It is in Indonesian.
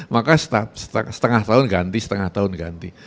maka setengah tahun ganti setengah tahun ganti